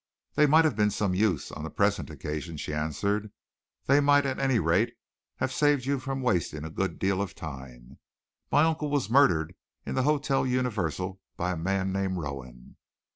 "They might have been of some use on the present occasion," she answered. "They might at any rate have saved you from wasting a good deal of time. My uncle was murdered in the Hotel Universal by a man named Rowan."